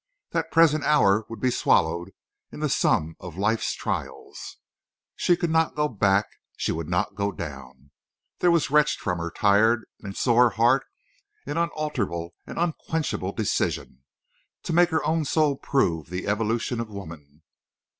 The present hour would be swallowed in the sum of life's trials. She could not go back. She would not go down. There was wrenched from her tried and sore heart an unalterable and unquenchable decision—to make her own soul prove the evolution of woman.